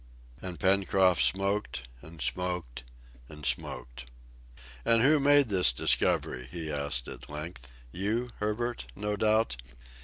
And Pencroft smoked, and smoked, and smoked. "And who made this discovery?" he asked at length. "You, Herbert, no doubt?"